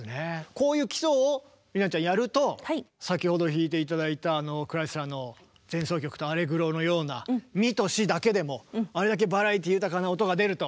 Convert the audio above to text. こういう基礎を理奈ちゃんやると先ほど弾いて頂いたあのクライスラーの「前奏曲とアレグロ」のようなミとシだけでもあれだけバラエティー豊かな音が出ると。